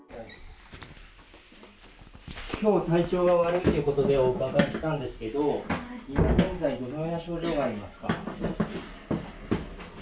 きょう体調が悪いということで、お伺いしたんですけれど、今現在、どのような症状がありますか？